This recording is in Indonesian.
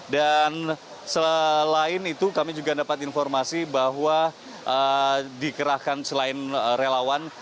dan selain itu kami juga mendapat informasi bahwa dikerahkan selain relawan